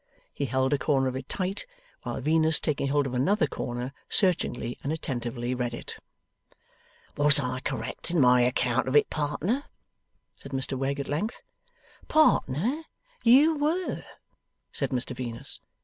He held a corner of it tight, while Venus, taking hold of another corner, searchingly and attentively read it. 'Was I correct in my account of it, partner?' said Mr Wegg at length. 'Partner, you were,' said Mr Venus.